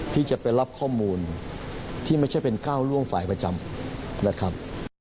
ที่จะไปรับข้อมูลที่ไม่ใช่เป็นก้าวล่วงฝ่ายประจำนะครับ